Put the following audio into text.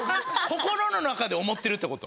心の中で思ってるって事？